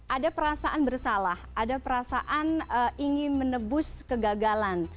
ada perasaan bersalah ada perasaan ingin menebus kegagalan